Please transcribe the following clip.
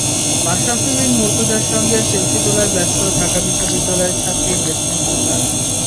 মাশরাফি বিন মুর্তজার সঙ্গে সেলফি তোলায় ব্যস্ত ঢাকা বিশ্ববিদ্যালয়ের ছাত্রী জেসমিন সুলতানা।